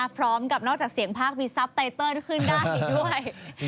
พร้อมกับนอกจากเสียงภาพมีซัพไตเติลขึ้นได้ด้วย